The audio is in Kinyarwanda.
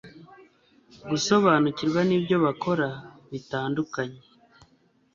gusobanukirwa n ibyo bakora bitandukanye